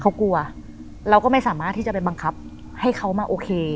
เขากลัวเราก็ไม่สามารถที่จะไปบังคับให้เขามาโอเค